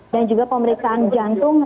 dan juga pemeriksaan jantung